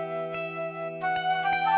kamu juga sama